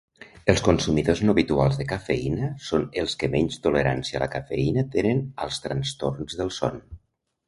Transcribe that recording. Els consumidors no habituals de cafeïna són els que menys tolerància a la cafeïna tenen als trastorns del son.